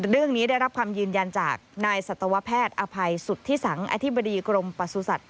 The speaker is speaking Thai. ได้รับคำยืนยันจากนายสัตวแพทย์อภัยสุทธิสังอธิบดีกรมประสุทธิ